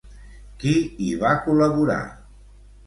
Qui hi va col·laborar?